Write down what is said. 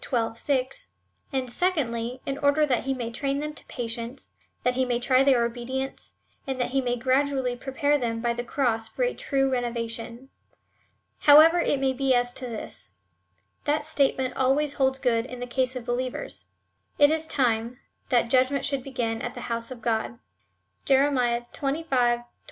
6 ;) and secondly, in order that he may train them to patience, that he may try their obedience, and tliat he may gradually prepare them by the cross for a true renovation. However it may be as to this, that statement always holds good in the case of be lievers — It is time, that judgment should hegin at the house of God. (Jer. xxv. 29 ; 1 Pet. iv. 1 7.